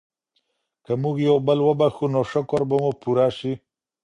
که موږ یو بل وبښو نو شکر به مو پوره سي.